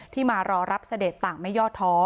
มารอรับเสด็จต่างไม่ย่อท้อ